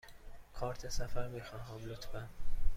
کارت سفر می خواهم، لطفاً.